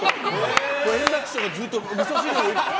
円楽師匠がずっとみそ汁を。